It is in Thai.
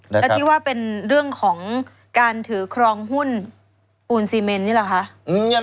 แล้วที่ว่าเป็นเรื่องของการถือครองหุ้นปูนซีเมนนี่แหละคะ